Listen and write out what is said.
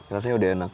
rasanya sudah enak